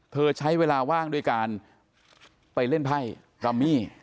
ใช้เวลาว่างด้วยการไปเล่นไพ่รัมมี่